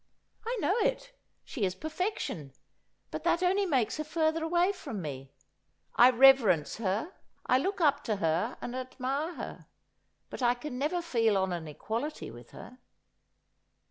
' I know it. She is perfection ; but that only makes her further away from me. I reverence her, I look up to her and admire her ; but I can never feel on an equality with her.'